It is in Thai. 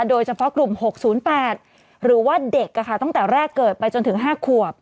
โดยเฉพาะกลุ่ม๖๐๘หรือว่าเด็กตั้งแต่แรกเกิดไปจนถึง๕ขวบ